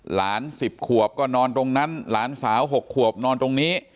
หลานสิบขวบก็นอนตรงนั้นหลานสาวหกขวบนอนตรงนี้